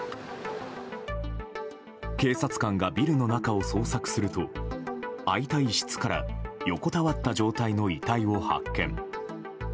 警察官がビルの中を捜索すると空いた一室から横たわった状態の遺体を発見。